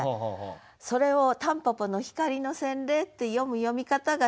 それを「たんぽぽの光の洗礼」って読む読み方が１つ。